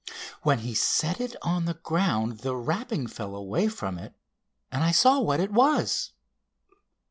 When he set it on the ground the wrapping fell away from it and I saw what it was."